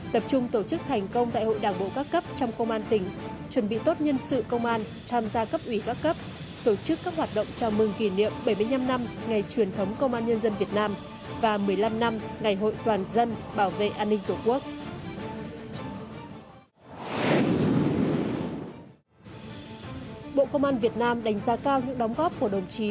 tập trung tổ chức thành công đại hội đảng bộ các cấp trong công an tỉnh chuẩn bị tốt nhân sự công an tham gia cấp ủy các cấp tổ chức các hoạt động chào mừng kỷ niệm bảy mươi năm năm ngày truyền thống công an nhân dân việt nam và một mươi năm năm ngày hội toàn dân bảo vệ an ninh của quốc